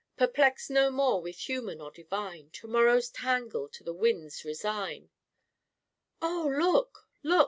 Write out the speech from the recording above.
. Perplexed no more with human or divine, To morrow's tangle to the winds resign " Oh, look, look!